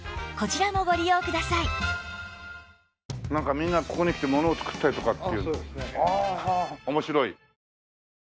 みんなここに来てものを作ったりとかっていう。